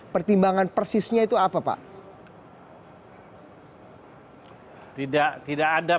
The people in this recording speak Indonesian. pertimbangan persisnya itu apa pak